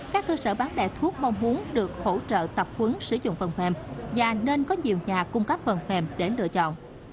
các cơ sở bán đại thuốc mong muốn được hỗ trợ tập quấn sử dụng phần mềm và nên có nhiều nhà cung cấp phần mềm để lựa chọn